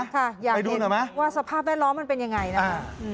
ค่ะอยากเห็นว่าสภาพแวดล้อมมันเป็นยังไงนะครับ